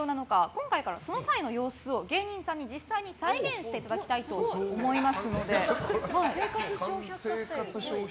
今回から、その際の様子を芸人さんに実際に再現していただきたいと思います。